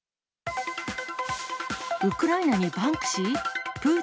ウクライナにバンクシー？